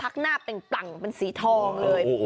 พักหน้าเป็นปลั่งเป็นสีทองเลย